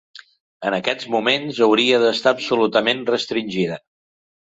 En aquests moments, hauria d'estar absolutament restringida.